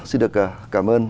xin được cảm ơn